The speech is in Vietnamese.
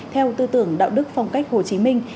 theo tư tưởng đạo đức phong cách hồ chí minh